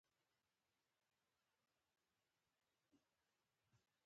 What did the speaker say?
جميلې وويل: هو، که د ده خوښه وي، زه ورسره ځم.